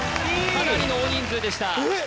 かなりの大人数でしたえっ？